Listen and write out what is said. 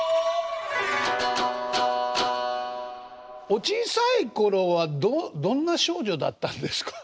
お小さい頃はどんな少女だったんですか？